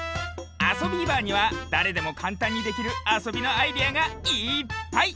「あそビーバー」にはだれでもかんたんにできるあそびのアイデアがいっぱい！